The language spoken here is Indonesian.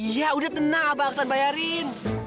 iya udah tenang aksan bayarin